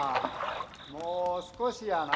もう少しやな。